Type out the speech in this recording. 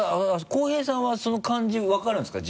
広平さんはその感じ分かるんですか？